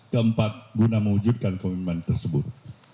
keempat guna mewujudkan komitmen tersebut